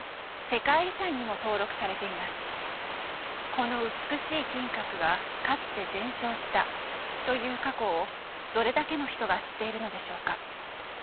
この美しい金閣がかつて全焼したという過去をどれだけの人が知っているのでしょうか。